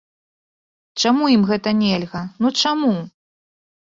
Чаму ім гэта нельга, ну чаму?